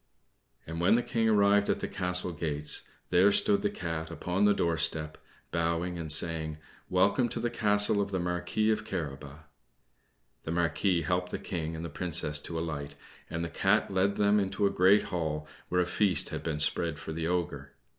And when the King arrived at the castle gates, there stood the Cat upon the doorstep, bowing and saying "Welcome to the castle of the Marquis of Carabas!" The Marquis helped the King and the Princess to alight, and the Cat led them into a great hall, where a feast had been spread for the Ogre.